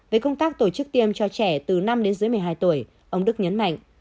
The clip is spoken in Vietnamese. về công tác tổ chức tiêm cho trẻ từ năm đến dưới một mươi hai tuổi ông đức nhấn mạnh